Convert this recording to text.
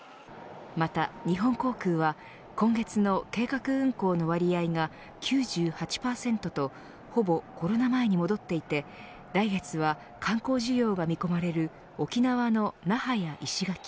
また、日本航空は今月の計画運航の割合が９８％とほぼコロナ前に戻っていて来月は観光需要が見込まれる沖縄の那覇や石垣